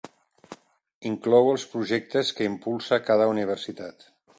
Inclou els projectes que impulsa cada universitat.